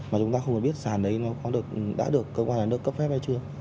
mà chúng ta không biết sàn đấy nó đã được cơ quan đoàn đất cấp phép hay chưa